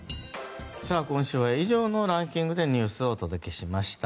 今週は以上のランキングでニュースをお届けしました。